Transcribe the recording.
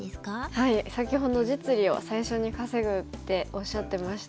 先ほど実利を最初に稼ぐっておっしゃってましたが。